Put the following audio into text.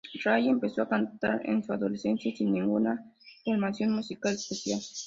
Ray empezó a cantar en su adolescencia, sin ninguna formación musical especial.